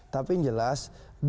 tapi yang jelas